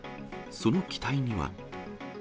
その機体には。